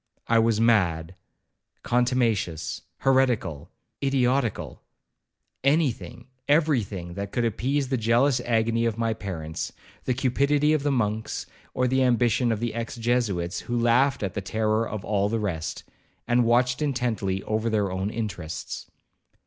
I was mad, contumacious, heretical, idiotical,—any thing—every thing—that could appease the jealous agony of my parents, the cupidity of the monks, or the ambition of the ex Jesuits, who laughed at the terror of all the rest, and watched intently over their own interests.